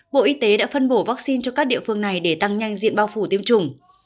bộ y tế đã phân bổ vaccine cho các địa phương này để tăng nhanh diện bao phủ tiêm chủng